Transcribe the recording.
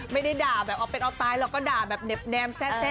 ไม่ได้ด่าแบบออกเป็นศัลป์ตายแล้วก็ด่าแบบเนมแซ๊เอาสนุก